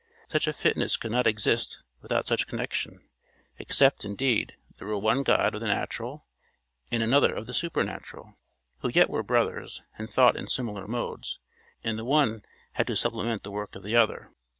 Such a fitness could not exist without such connection; except, indeed, there were one god of the Natural and another of the Supernatural, who yet were brothers, and thought in similar modes, and the one had to supplement the work of the other.